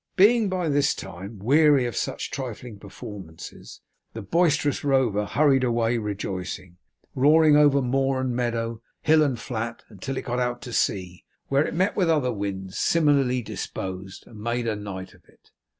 Being by this time weary of such trifling performances, the boisterous rover hurried away rejoicing, roaring over moor and meadow, hill and flat, until it got out to sea, where it met with other winds similarly disposed, and made a night of it.